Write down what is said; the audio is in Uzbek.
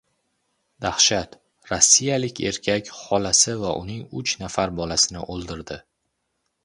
Dahshat! Rossiyalik erkak xolasi va uning uch nafar bolasini o‘ldirdi